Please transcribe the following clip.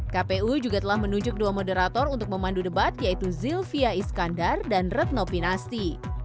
kpu juga telah menunjuk dua moderator untuk memandu debat yaitu zilvia iskandar dan retno pinasti